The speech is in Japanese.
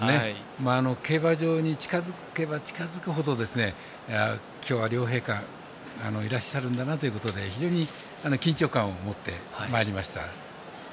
競馬場に近づけば近づくほど今日は両陛下いらっしゃるんだなということで非常に緊張感を持ってまいりました。